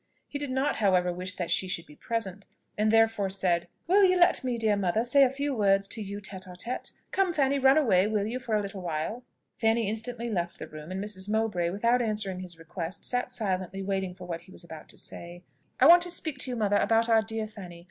He did not however, wish that she should be present, and therefore said, "Will you let me, dear mother, say a few words to you tête à tête. Come, Fanny; run away, will you, for a little while?" Fanny instantly left the room, and Mrs. Mowbray, without answering his request, sat silently waiting for what he was about to say. "I want to speak, to you, mother, about our dear Fanny.